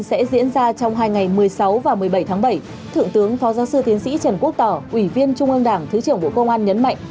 trong hai ngày một mươi sáu và một mươi bảy tháng bảy thượng tướng phó giáo sư thiến sĩ trần quốc tỏ ủy viên trung ương đảng thứ trưởng bộ công an nhấn mạnh